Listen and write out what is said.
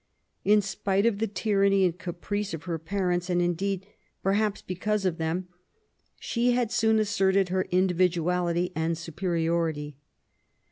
In spite of the tyranny and caprice of her parents, and^ indeed, perhaps because of them, she had soon asserted her individuality and superiority.